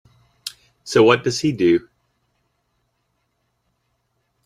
So what does he do?